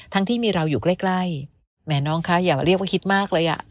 ที่มีเราอยู่ใกล้แหมน้องคะอย่ามาเรียกว่าคิดมากเลยอ่ะ